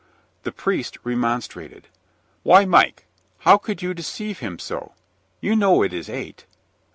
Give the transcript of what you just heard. The priest remonstrated: "Why, Mike, how can you deceive him so? You know it is eight."